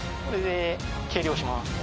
これで計量します。